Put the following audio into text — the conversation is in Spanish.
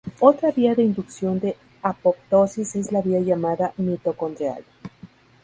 Otra vía de inducción de apoptosis es la vía llamada mitocondrial.